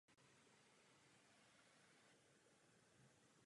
Studoval v Paříži na École normale supérieure.